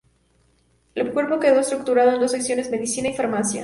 El cuerpo quedó estructurado en dos secciones: Medicina y Farmacia.